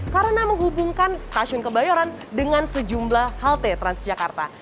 karena menghubungkan stasiun kebayoran dengan sejumlah halte transjakarta